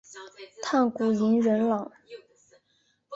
炭谷银仁朗。